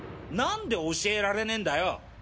何で教えられねぇんだよ！？